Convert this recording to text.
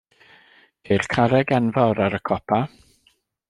Ceir carreg enfawr ar y copa.